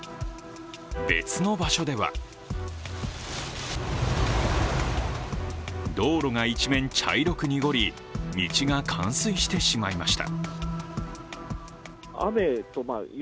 別の場所では道路が一面、茶色く濁り道が冠水してしまいました。